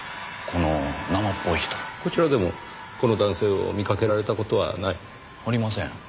こちらでもこの男性を見かけられた事はない？ありません。